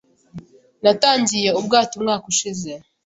Natangiye ubwato umwaka ushize.